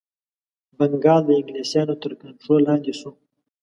بنګال د انګلیسیانو تر کنټرول لاندي شو.